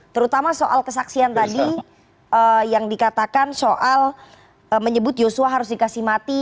terutama soal kesaksian tadi yang dikatakan soal menyebut yosua harus dikasih mati